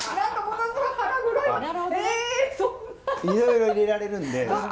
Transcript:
いろいろ入れられるんで。